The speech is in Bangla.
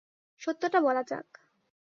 সত্যটা বলা যাক।